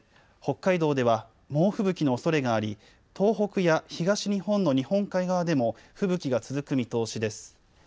北海道では猛吹雪のおそれがあり東北や東日本の日本海側でも吹雪が続く見通しです。